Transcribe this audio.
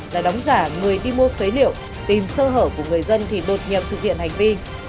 là đóng giả người đi mua phế liệu tìm sơ hở của người dân thì đột nhập thực hiện hành vi